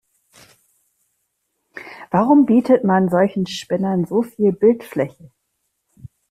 Warum bietet man solchen Spinnern so viel Bildfläche?